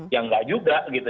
yang nggak juga gitu